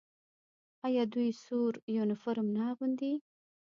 آیا دوی سور یونیفورم نه اغوندي؟